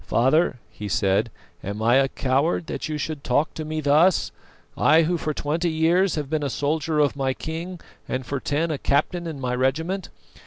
"Father," he said, "am I a coward that you should talk to me thus? I, who for twenty years have been a soldier of my king and for ten a captain in my regiment?